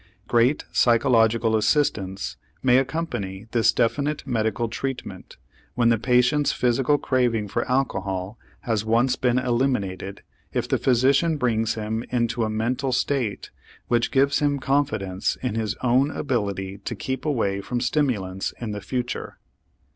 Great psychological assistance may accompany this definite medical treatment when the patient's physical craving for alcohol has once been eliminated if the physician brings him into a mental state which gives him confidence in his own ability to keep away from stimulants in the future.